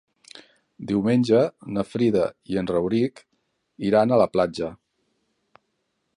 Diumenge na Frida i en Rauric iran a la platja.